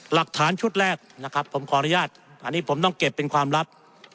หลักฐานชุดแรกนะครับผมขออนุญาตอันนี้ผมต้องเก็บเป็นความลับ